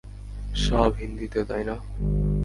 সব হিন্দিতে, তাই না?